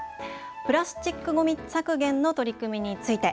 プラスチックごみ削減の取り組みについて。